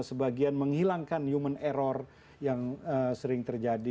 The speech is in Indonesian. sebagian menghilangkan human error yang sering terjadi